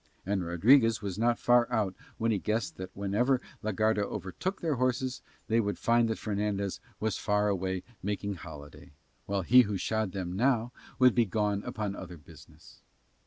And Rodriguez was not far out when he guessed that whenever la Garda overtook their horses they would find that Fernandez was far away making holiday, while he who shod them now would be gone upon other business.